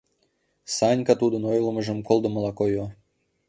Санька тудын ойлымыжым колдымыла койо.